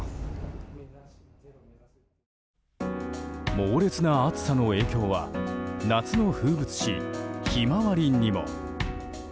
猛烈な暑さの影響は夏の風物詩ヒマワリにも。